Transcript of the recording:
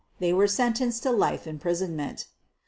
They were sentenced to life im prisonment.